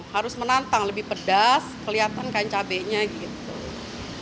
harus menantang lebih pedas kelihatan kain cabainya gitu